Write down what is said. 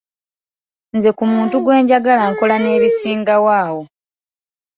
Nze ku muntu gwe njagala nkola n'ebisinga awo.